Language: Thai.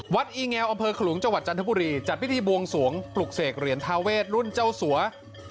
อีแงวอำเภอขลุงจังหวัดจันทบุรีจัดพิธีบวงสวงปลุกเสกเหรียญทาเวทรุ่นเจ้าสัว